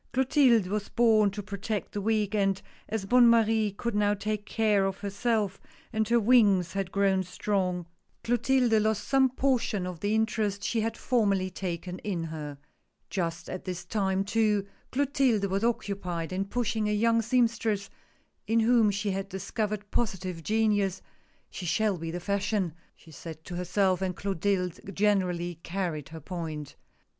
Clotilde was born to protect the weak, and as Bonne Marie could now take care of herself and her wings had grown strong, Clotilde had 124 THE PORTRAIT. lost some portion of the interest she had formerly taken in her. Just at this time too Clo tilde was occupied in push ing a young seamstress in whom she had discovered positive genius —" She shall be the fashion !" she said to herself, and Clotilde generally carried her point.